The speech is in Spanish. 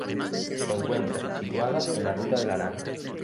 Se encuentra situada en la Ruta de la Lana.